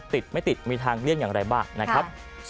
ติดไม่ติดมีทางเลี่ยงอย่างไรบ้างนะครับ